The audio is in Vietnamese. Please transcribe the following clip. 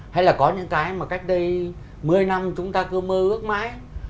hay là có những cái mà cách đây một mươi năm chúng ta cứ mơ ước mãi